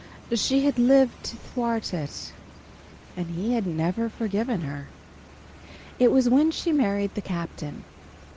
She had lived to thwart it, and he had never forgiven her. It was when she married the Captain.